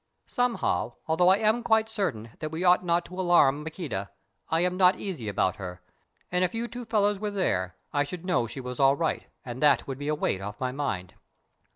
Somehow, although I am quite certain that we ought not to alarm Maqueda, I am not easy about her, and if you two fellows were there, I should know she was all right, and it would be a weight off my mind."